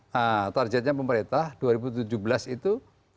nah targetnya pemerintah dua ribu tujuh belas itu